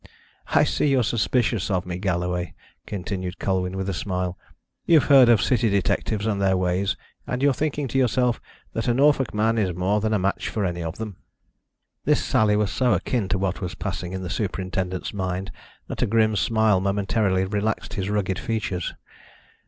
"I see you're suspicious of me, Galloway," continued Colwyn with a smile. "You've heard of city detectives and their ways, and you're thinking to yourself that a Norfolk man is more than a match for any of them." This sally was so akin to what was passing in the superintendent's mind that a grim smile momentarily relaxed his rugged features.